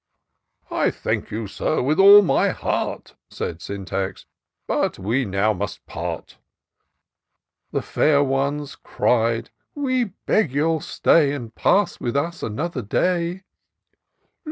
" I thank you. Sir, with all my heart," Said Sjmtax, " but we now must part" The fair ones cried ^" We beg you'll stay, And pass with us another day."